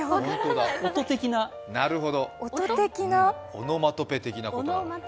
オノマトペ的なことだ。